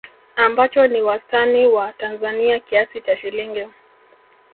ambacho ni wastani wa Tanzania kiasi cha shilingi